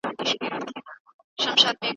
که دښمن پر موږ برید وکړي نو موږ به یې ځواب ورکړو.